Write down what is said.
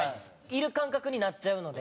いる感覚になっちゃうので。